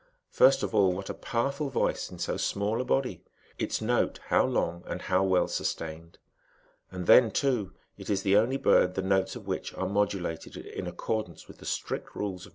First of all, vhat a powerful voice in so small a body ! its note, how long, nd how well sustained ! And then, too, it is the only bird he notes of which are modulated in accordance with the strict ules of musical science.